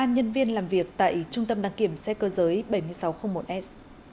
ba nhân viên làm việc tại trung tâm đăng kiểm xe cơ giới bảy nghìn sáu trăm linh một s